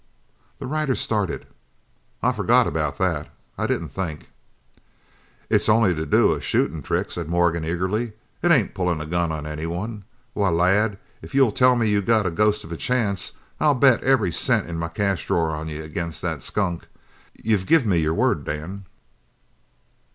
The rider started. "I forgot about that I didn't think " "It's only to do a shootin' trick," said Morgan eagerly. "It ain't pullin' a gun on any one. Why, lad, if you'll tell me you got a ghost of a chance, I'll bet every cent in my cash drawer on you agin that skunk! You've give me your word, Dan."